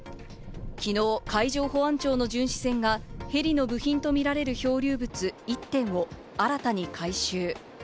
昨日、海上保安庁の巡視船がヘリの部品とみられる漂流物１点を新たに回収。